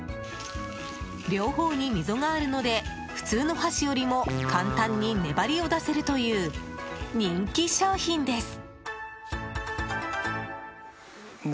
両方に溝があるので普通の箸よりも簡単に粘りを出せるという人気商品です。